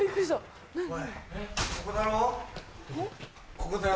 ここだろ？